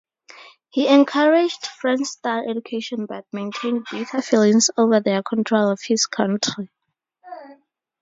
He encouraged French-style education, but maintained bitter feelings over their control of his country.